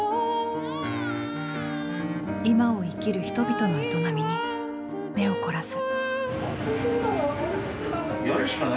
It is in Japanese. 今を生きる人々の営みに目を凝らす。